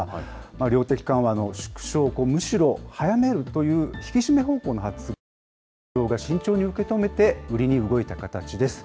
量的緩和の縮小をむしろ速めるという引き締め方向の発言、市場が慎重に受け止めて、売りに動いた形です。